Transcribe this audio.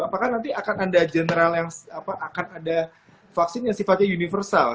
apakah nanti akan ada general yang akan ada vaksin yang sifatnya universal